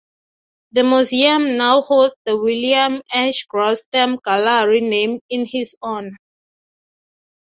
The museum now hosts the William H. Gross Stamp Gallery named in his honor.